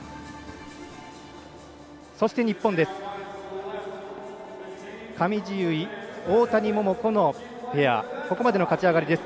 そして日本です。